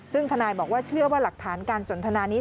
ซึ่งทนายบอกว่าเชื่อว่าหลักฐานการสนทนานี้